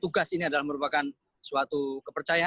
tugas ini adalah merupakan suatu kepercayaan